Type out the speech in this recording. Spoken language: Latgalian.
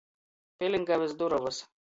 Pilingavys durovys.